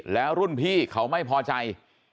แล้วรุ่นพี่เขาไม่พอใจ